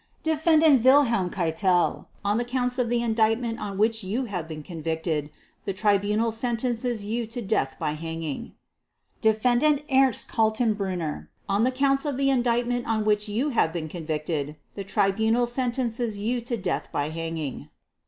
"Defendant Wilhelm Keitel, on the Counts of the Indictment on which you have been convicted, the Tribunal sentences you to death by hanging. "Defendant Ernst Kaltenbrunner, on the Counts of the Indictment on which you have been convicted, the Tribunal sentences you to death by hanging.